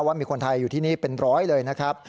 ว่ามีคนไทยอยู่ที่นี่เป็นร้อยเลยนะครับ